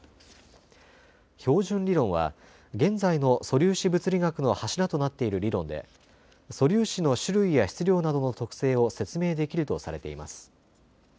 標準理論は現在の素粒子物理学の柱となっている理論で素粒子の種類や質量などの特性を説明できるとされています。